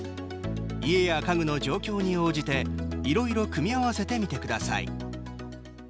家や家具の状況に応じていろいろ組み合わせてみてください。